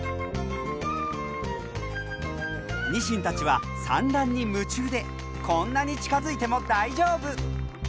ニシンたちは産卵に夢中でこんなに近づいても大丈夫。